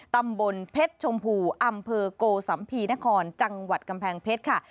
ตำบลเพชรชมพูอำเภอโกสัมภีนครจังหวัดกำแพงเพชรค่ะ